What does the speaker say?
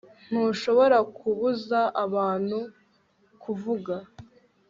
Ntushobora kubuza abantu kuvuga